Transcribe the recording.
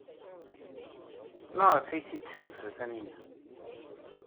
Maɣef ay t-id-tessuter Taninna?